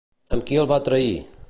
Amb qui el va trair?